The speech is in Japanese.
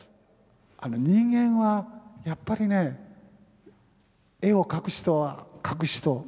人間はやっぱりね絵を描く人は描く人